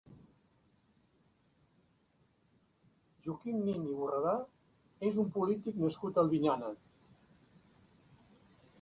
Joaquim Nin i Borredà és un polític nascut a Albinyana.